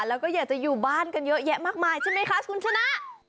แล้วก็อยากจะอยู่บ้านกันเยอะแยะมากมายใช่ไหมคะคุณชนะ